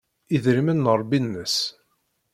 Idrimen d Ṛebbi-nnes.